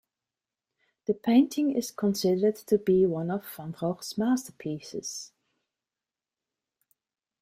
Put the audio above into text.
The painting is considered to be one of Van Gogh's masterpieces.